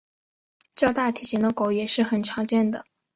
较大体型的狗也是很常见的。